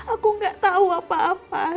aku gak tau apa apa